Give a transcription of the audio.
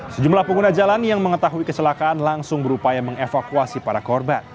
sejumlah pengguna jalan yang mengetahui kecelakaan langsung berupaya mengevakuasi para korban